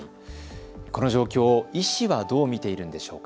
この状況、医師はどう見ているんでしょうか。